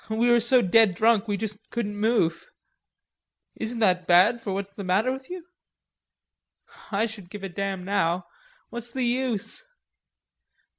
We were so dead drunk we just couldn't move." "Isn't that bad for what's the matter with you?" "I don't give a damn now; what's the use?"